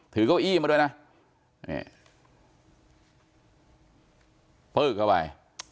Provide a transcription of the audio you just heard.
ถือเก้าอี้มาด้วยนะเพิ่มเข้าไป